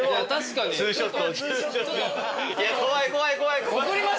怖い怖い怖い！